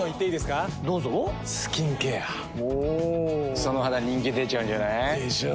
その肌人気出ちゃうんじゃない？でしょう。